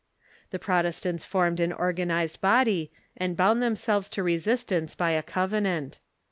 The Protes tants formed an organized body, and bound themselves to resistance by a covenant.